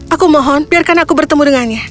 aku mohon biarkan aku bertemu dengannya